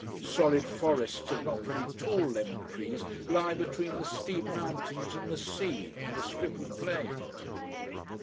Solid forests of not very tall lemon trees lie between the steep mountains and the sea, on the strip of plain.